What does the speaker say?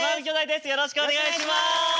よろしくお願いします。